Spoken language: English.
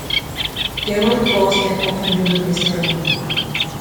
They were closed and opened during the ceremony.